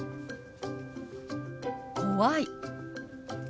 「怖い」。